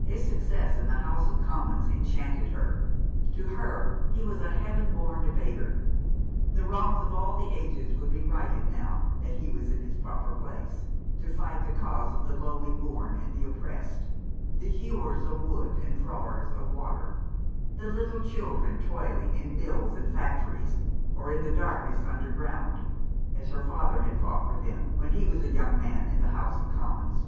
His success in the House of Commons en chanted her. To her, he was a heaven born debater. The wrongs of all the ages would be righted now that he was in his proper place, to fight the cause of the lowly born and the oppressed, the hewers of wood and drawers of water, the little children toiling in mills and factories, or in the darkness under ground, as her father had fought for them when he was a young man in the House of Commons.